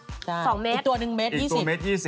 อีกตัวหนึ่งเมตร๒๐